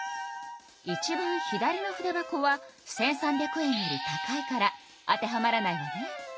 いちばん左の筆箱は１，３００円より高いから当てはまらないわね。